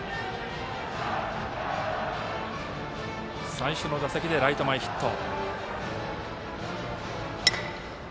最初の打席でライト前ヒット。